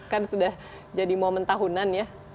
kan sudah jadi momen tahunan ya